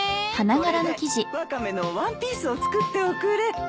これでワカメのワンピースを作っておくれ。